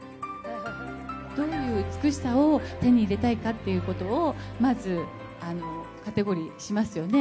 どういう美しさを手に入れたいかということをまずカテゴリーしますよね。